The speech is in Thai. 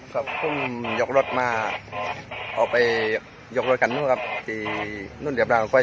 ครับพรุ่งยกรถมาออกไปยกรถกันนู้นครับที่นู่นเหลียบร้านไฟ